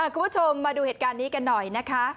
คุณผู้ชมมาดูเหตุการณ์นี้กันหน่อยนะคะ